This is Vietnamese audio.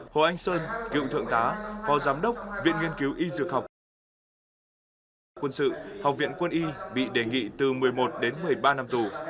hồ anh sơn cựu thượng tá phó giám đốc viện nghiên cứu y dược học quân sự học viện quân y bị đề nghị từ một mươi một đến một mươi ba năm tù